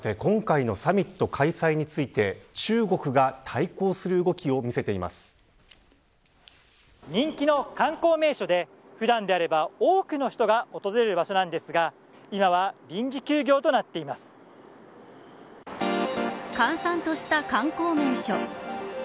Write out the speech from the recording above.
今回のサミット開催について中国が人気の観光名所で普段であれば多くの人が訪れる場所ですが閑散とした観光名所。